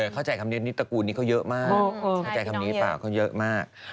เข้าใจคำนี้เปล่าเขาเยอะมาก